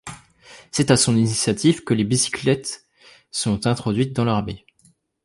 C'est à son initiative que les bicyclettes sont introduites dans l'armée.